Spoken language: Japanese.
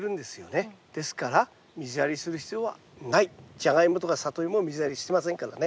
ジャガイモとかサトイモも水やりしてませんからね。